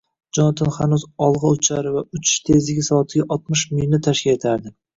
— Jonatan hanuz olg‘a uchar va uchish tezligi soatiga oltmish milni tashkil etardi.